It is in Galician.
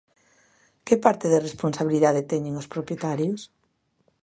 Que parte de responsabilidade teñen os propietarios?